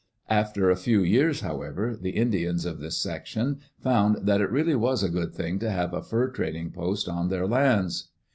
After a few years, however, the Indians of this section found that it really was a good thing to have a fur trading post on their lands.